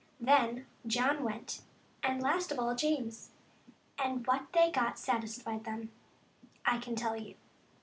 Then John went, and last of all James, and what they got satisfied them, I can tell you.